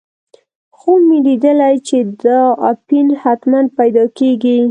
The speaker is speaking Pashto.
خوب مې لیدلی چې دا اپین حتماً پیدا کېږي.